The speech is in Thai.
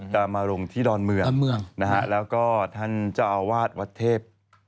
จะมาลงที่ดอนเมืองนะฮะแล้วก็ท่านเจ้าอาวาสวัดเทพ